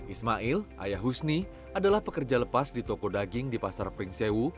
ismail ayah husni adalah pekerja lepas di toko daging di pasar pringsewu